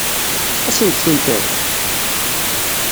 Ad sent-tent-tefk?